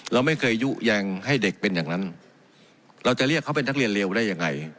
เราไม่เคยยุแยงให้เด็กเป็นอย่างนั้นเราจะเรียกเขาเป็นนักเรียนเร็วได้ยังไง